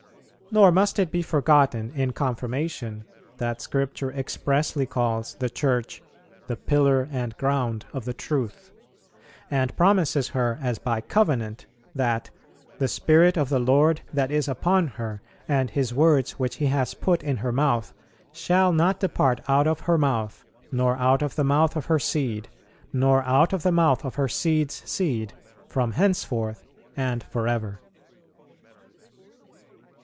Nor must it be forgotten in confirmation, that Scripture expressly calls the Church "the pillar and ground of the Truth," and promises her as by covenant that "the Spirit of the Lord that is upon her, and His words which He has put in her mouth shall not depart out of her mouth, nor out of the mouth of her seed, nor out of the mouth of her seed's seed, from henceforth and for ever."